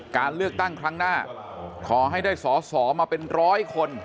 การเลือกตั้งครั้งหน้าขอให้ได้สอสอมาเป็นร้อยคน